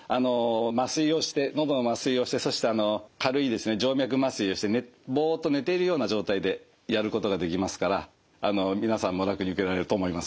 麻酔をして喉の麻酔をしてそして軽い静脈麻酔をしてボッと寝ているような状態でやることができますから皆さんも楽に受けられると思います。